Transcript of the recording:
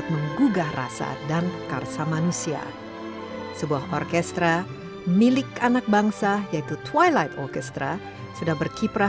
tempat berlindung di hari tua